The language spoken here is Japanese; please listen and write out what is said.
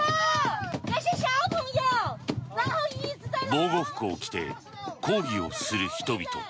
防護服を着て抗議をする人々。